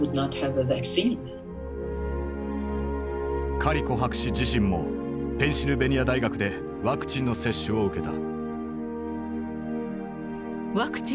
カリコ博士自身もペンシルベニア大学でワクチンの接種を受けた。